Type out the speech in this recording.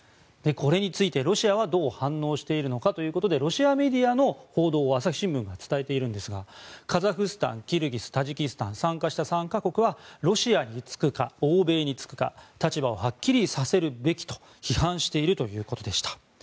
これについてロシアはどう反応しているのかということでロシアメディアの報道を朝日新聞が伝えているんですがカザフスタン、キルギスタジキスタン、参加した３か国はロシアにつくか欧米につくか立場をはっきりさせるべきと批判しているということでした。